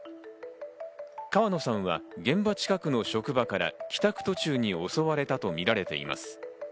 川野さんは現場近くの職場から帰宅途中に襲われたとみられています。